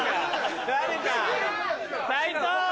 斉藤！